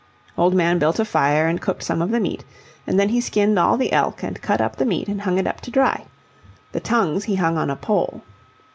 Old Man built a fire and cooked some of the meat, and then he skinned all the elk, and cut up the meat and hung it up to dry. The tongues he hung on a pole.